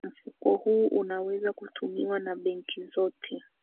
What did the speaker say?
mfuko huu unaweza kutumiwa na benki zote